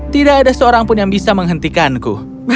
tidak ada seorang pun yang bisa menghentikanku